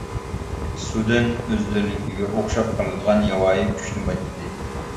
سۇدىن ئۆزلىرىنىڭكىگە ئوخشاپ قالىدىغان ياۋايى كۈچنى بايقىدى.